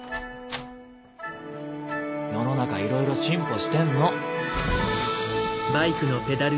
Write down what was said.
世の中いろいろ進歩してんの。